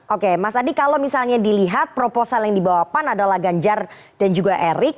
oke mas adi kalau misalnya dilihat proposal yang dibawa pan adalah ganjar dan juga erik